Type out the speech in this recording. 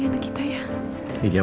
mama gak mau bantuin kamu